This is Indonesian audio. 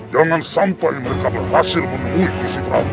jangan sampai mereka berhasil menemui gusti prabu